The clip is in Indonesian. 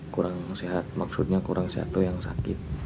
kurang sehat maksudnya kurang sehat atau yang sakit